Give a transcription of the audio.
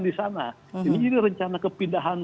di sana jadi ini rencana kepindahan